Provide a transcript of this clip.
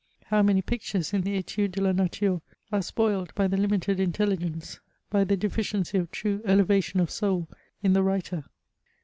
How many pictures in the Etudes de la Nature are spoiled by the Umited intelligence, by the deficiency of true ele vation of soul, in the writer